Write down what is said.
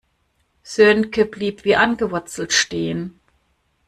Sönke blieb wie angewurzelt stehen.